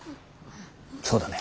そうだね。